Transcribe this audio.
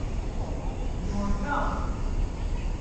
Your Health